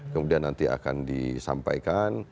kemudian nanti akan disampaikan